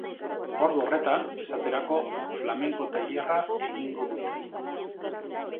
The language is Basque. Ordu horretan, esaterako, flamenko tailerra egingo dute.